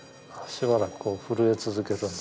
しばらく震え続けるんですね。